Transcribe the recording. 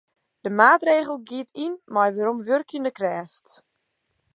De maatregel giet yn mei weromwurkjende krêft.